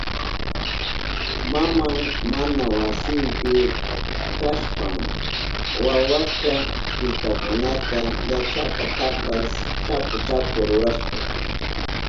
Maman mana wasinpi kashpan wawaka killkakunata llachapatapas chapu chapu rurashka.